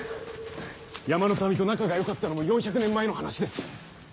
山の民と仲が良かったのも４００年前の話です。